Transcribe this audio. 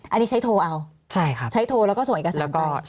อันนี้ใช้โทรเอาใช้โทรแล้วก็ส่งเอกสารก่อน